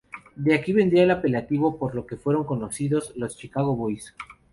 De aquí vendría el apelativo por el que fueron conocidos, los Chicago Boys.